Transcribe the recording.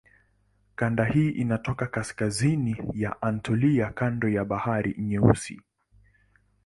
Kanda hii iko katika kaskazini ya Anatolia kando la Bahari Nyeusi.